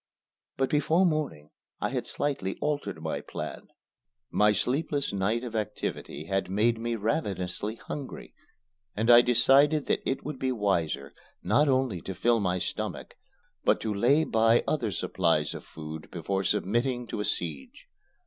But before morning I had slightly altered my plan. My sleepless night of activity had made me ravenously hungry, and I decided that it would be wiser not only to fill my stomach, but to lay by other supplies of food before submitting to a siege.